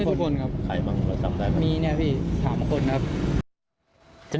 พี่บ้านไม่อยู่ว่าพี่คิดดูด